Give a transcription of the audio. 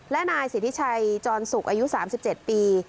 และนายสิทธิชัยจรสุกอายุ๓๗ปี